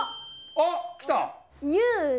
あっきた？